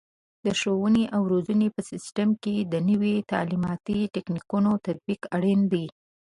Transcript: د ښوونې او روزنې په سیستم کې د نوي تعلیماتي تکتیکونو تطبیق اړین دی.